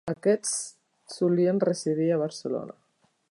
Aquests solien residir a Barcelona.